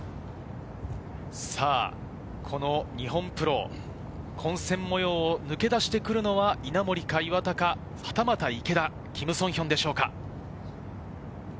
この日本プロ、混戦模様を抜け出してくるのは稲森か岩田か、はたまた池田、キム・ソンヒョンでしょうか。